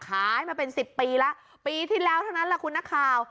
ขายมาเป็น๑๐ปีแล้วปีที่แล้วเท่านั้นแหละคุณนักข่าว